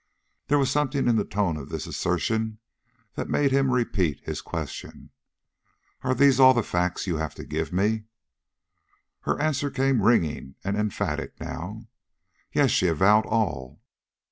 There was something in the tone of this assertion that made him repeat his question. "Are these all the facts you have to give me?" Her answer came ringing and emphatic now. "Yes," she avowed "all."